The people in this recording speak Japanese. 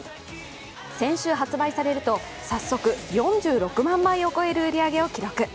先週発売されると、早速、４６万枚を超える売り上げを記録。